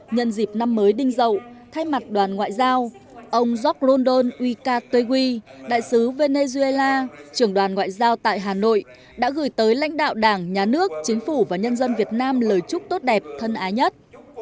nhân dịp năm mới đinh dậu thay mặt đoàn ngoại giao ông jordan wikatewi đại sứ venezuela trưởng đoàn ngoại giao tại hà nội đã gửi tới lãnh đạo đảng nhà nước chính phủ và nhân dân việt nam lời chúc tốt đẹp thân ái nhất